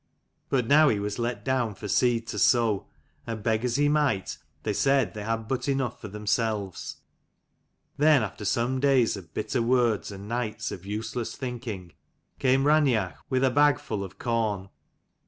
But now he was let down for seed to sow : and beg as he might, they said they had but enough for themselves. Then after some days of bitter words and nights of useless thinking, came Raineach with a bag full of corn.